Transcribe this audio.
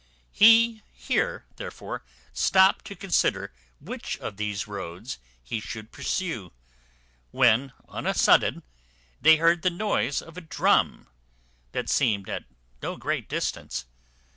He here therefore stopt to consider which of these roads he should pursue; when on a sudden they heard the noise of a drum, that seemed at no great distance.